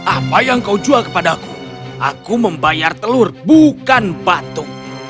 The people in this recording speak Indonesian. apa yang kau jual kepadaku aku membayar telur bukan batu